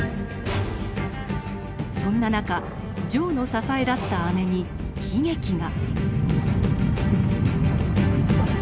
そんな中丈の支えだった姉に悲劇が。